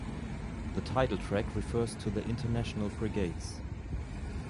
The title track refers to the International Brigades.